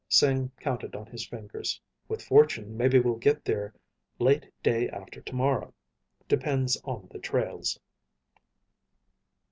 Sing counted on his fingers. "With fortune, maybe we'll get there late day after tomorrow. Depends on the trails."